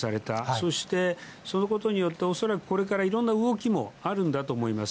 そしてそのことによって、恐らくこれからいろんな動きもあるんだと思います。